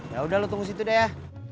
yaudah lu tunggu situ deh ya